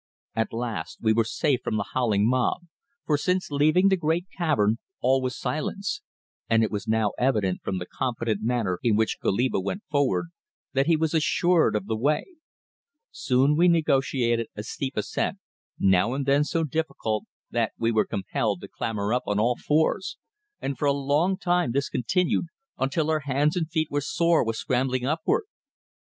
At least we were safe from the howling mob, for since leaving the great cavern all was silence, and it was now evident from the confident manner in which Goliba went forward that he was assured of the way. Soon we negotiated a steep ascent, now and then so difficult that we were compelled to clamber up on all fours, and for a long time this continued until our hands and feet were sore with scrambling upward.